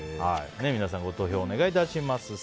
皆さんご投票お願いいたします。